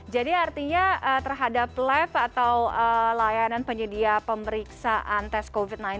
artinya terhadap lab atau layanan penyedia pemeriksaan tes covid sembilan belas